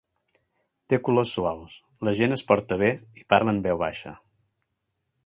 Té colors suaus, la gent es porta bé i parla en veu baixa.